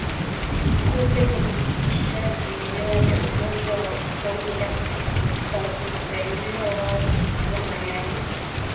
Kupe hupitisha vimelea vya ugonjwa wa mkojo damu kwa vizalia wao kupitia mayai